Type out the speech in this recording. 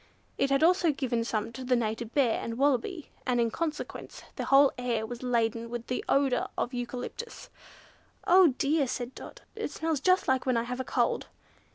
It had also given some to the Native Bear, and Wallaby, and in consequence the whole air was laden with the odour of eucalyptus. "Oh, dear!" said Dot, "it smells just like when I have a cold!"